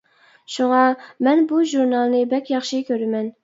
شۇڭا مەن بۇ ژۇرنالنى بەك ياخشى كۆرىمەن.